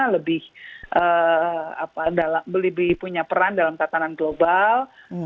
lebih punya peran dalam tatanan global